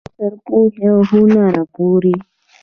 تر پوهې او هنره پورې.